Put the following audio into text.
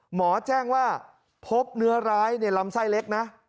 หมอแจ้งว่าพบเนื้อร้ายในลำไส้เล็กนะ